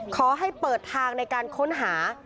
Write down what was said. ขอให้เปิดทางในการค้นหา